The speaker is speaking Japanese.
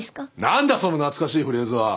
何だその懐かしいフレーズは！